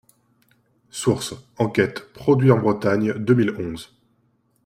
Source : enquête « Produit en Bretagne » deux mille onze.